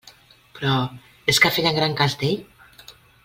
Però és que feien gran cas d'ell?